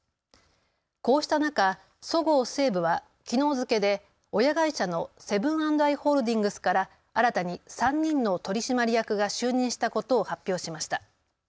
こうした中、そごう・西武はきのう付けで親会社のセブン＆アイ・ホールディングスから、新たに３人の取締役が就任したことを発表しました。